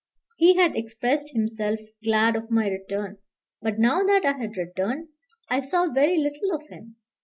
He had expressed himself glad of my return; but now that I had returned, I saw very little of him.